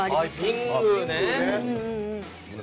・『ピングー』ね。